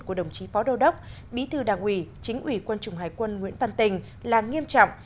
của đồng chí phó đô đốc bí thư đảng ủy chính ủy quân chủng hải quân nguyễn văn tình là nghiêm trọng